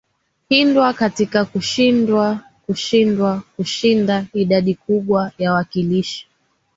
hindwa katika kushinda kushindwa kushida idadi kubwa ya wakilishi